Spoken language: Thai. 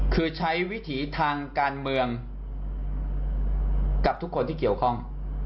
คือใช้วิถีทางการเมืองกับทุกคนที่เกี่ยวข้อง